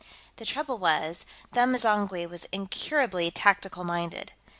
The trouble was, Them M'zangwe was incurably tactical minded.